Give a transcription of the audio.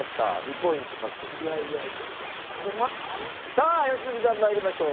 さあ良純さんまいりましょう。